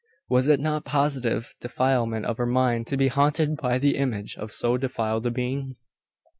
Was it not positive defilement of her mind to be haunted by the image of so defiled a being?